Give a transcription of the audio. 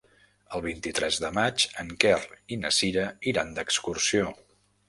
El vint-i-tres de maig en Quer i na Cira iran d'excursió.